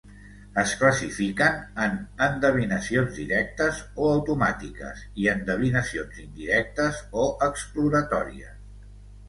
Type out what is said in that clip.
Es classifiquen en endevinacions directes o automàtiques i endevinacions indirectes o exploratòries.